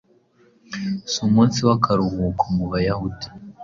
Si umusi w'akaruhuko mu bayahudi,